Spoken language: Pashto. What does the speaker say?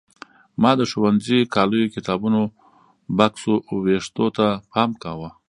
ما د ښوونځي کالیو کتابونو بکس وېښتو ته پام کاوه.